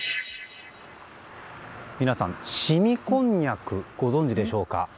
皆さん、凍みこんにゃくご存じでしょうか。